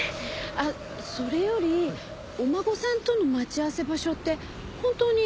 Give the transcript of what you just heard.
あっそれよりお孫さんとの待ち合わせ場所って本当にここなんですか？